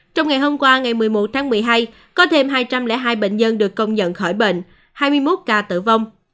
trong ngày hôm qua ngày một mươi một tháng một mươi hai có thêm hai trăm linh hai bệnh nhân được công nhận khỏi bệnh hai mươi một ca tử vong